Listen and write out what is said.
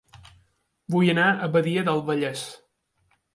Vull anar a Badia del Vallès